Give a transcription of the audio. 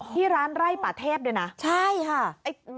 ที่ร้านไร่ป่าเทพด้วยนะใช่ค่ะ